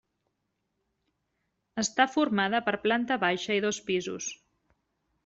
Està formada per planta baixa i dos pisos.